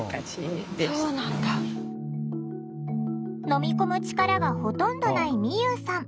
飲み込む力がほとんどないみゆうさん。